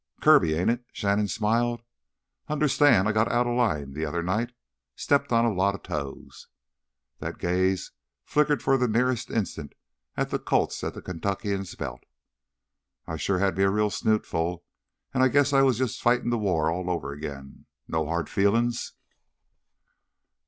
"Kirby, ain't it?" Shannon smiled. "Understand I got outta line th' other night ... stepped on a lotta toes." That gaze flickered for the merest instant to the Colts at the Kentuckian's belt. "I sure had me a real snootful an' I guess I was jus' fightin' th' war all over again. No hard feelin's?"